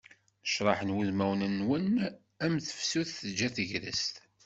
Necraḥen wudmawen-nwen, am tefsut teǧǧa tegrest.